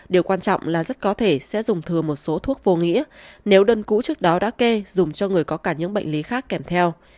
điều quan trọng là rất có thể sẽ dùng thừa một số thuốc vô nghĩa nếu đơn cũ trước đó đã kê dùng cho người có cả những bệnh lý khác kèm theo